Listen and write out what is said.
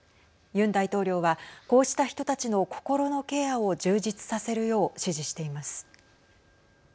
ユン大統領は、こうした人たちの心のケアを充実させるよう指示しています。